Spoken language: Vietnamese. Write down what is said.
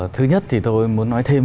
thứ nhất thì tôi muốn nói thêm